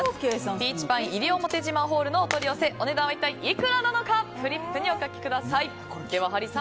ピーチパイン西表島のお取り寄せお値段は一体いくらなのかフリップにお書きください。